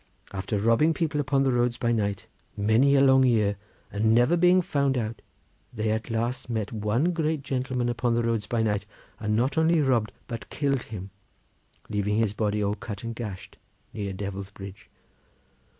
After robbing people upon the roads by night many a long year and never being found out, they at last met one great gentleman upon the roads by night, and not only robbed but killed him, leaving his body all cut and gashed near to Devil's Bridge.